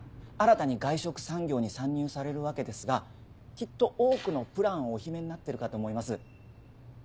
新たに外食産業に参入されるわけですがきっと多くのプランをお秘めになってるかと思います。